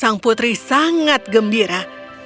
sang putri sangat gembira